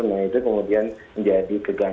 nah itu kemudian menjadi kegaduhan